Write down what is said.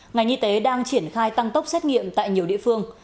ngành y tế đang triển khai tăng tốc xét nghiệm tại nhiều địa phương